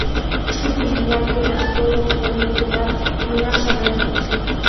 Шудым, мыняр кӱлеш, соло, вольыкымат, мыняр шонет, кучо.